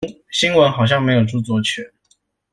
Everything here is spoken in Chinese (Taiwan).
新聞好像沒有著作權